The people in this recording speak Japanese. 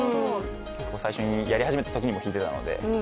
最初にやり始めたときにも弾いていたので。